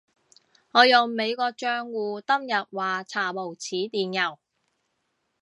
我用美國帳戶登入話查無此電郵